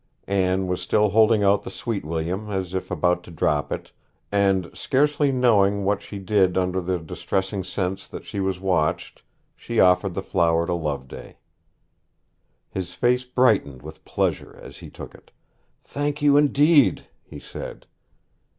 Anne was still holding out the sweet william as if about to drop it, and, scarcely knowing what she did under the distressing sense that she was watched, she offered the flower to Loveday. His face brightened with pleasure as he took it. 'Thank you, indeed,' he said.